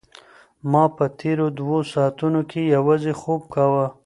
ما په تېرو دوو ساعتونو کې یوازې خوب کاوه.